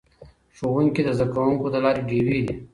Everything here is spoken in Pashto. ښوونکي د زده کوونکو د لارې ډیوې دي.